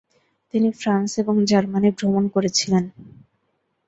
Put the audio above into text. তিনি ফ্রান্স এবং জার্মানি ভ্রমণ করেছিলেন।